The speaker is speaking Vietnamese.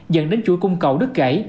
dẫn đến chuỗi cung cầu đứt gãy